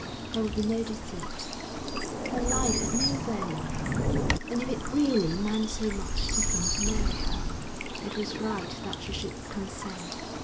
There would be no deceit. Her life had no value now, and if it really meant so much to him to marry her, it was right that she should consent.